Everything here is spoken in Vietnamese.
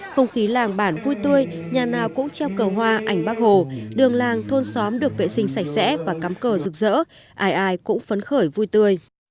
không khí làng bản vui tươi nhà nào cũng treo cờ hoa ảnh bác hồ đường làng thôn xóm được vệ sinh sạch sẽ và cắm cờ rực rỡ ai ai cũng phấn khởi vui tươi